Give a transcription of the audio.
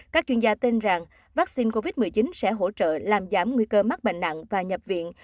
các chuyên gia tin rằng vaccine covid một mươi chín sẽ hỗ trợ làm giảm nguy cơ mắc bệnh nặng và nhập viện